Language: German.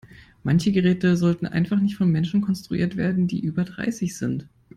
Manche Geräte sollten einfach nicht von Menschen konstruiert werden, die über dreißig sind.